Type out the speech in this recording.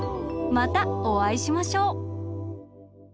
またおあいしましょう。